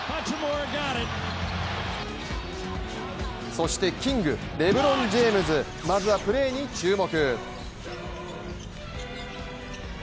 そしてキングレブロン・ジェームズ、まずはプレーに注目。